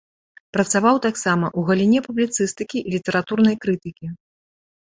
Працаваў таксама ў галіне публіцыстыкі і літаратурнай крытыкі.